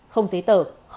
không giấy tờ không lãng phí